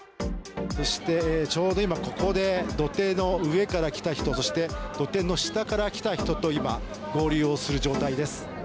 そして、ちょうど今、ここで土手の上から来た人、そして土手の下から来た人と今、合流をする状態です。